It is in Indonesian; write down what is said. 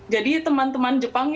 jadi teman teman jepang ya